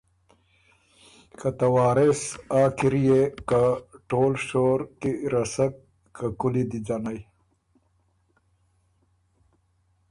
که ته وارث آ کِريې ګه ټول شور کی رسک که کُولی دی ځنئ